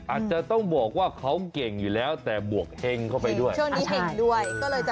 อาจจะต้องบอกว่าเขาเก่งอยู่แล้วแต่บวกแห่งเข้าไปด้วย